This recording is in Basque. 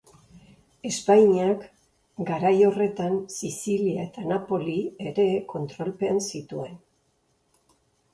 Espainiak gara horretan Sizilia eta Napoli ere kontrolpean zituen.